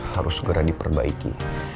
harus segera diperbaiki